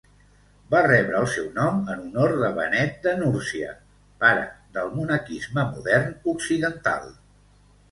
Va rebre el seu nom en honor de Benet de Núrsia, pare del monaquisme modern occidental.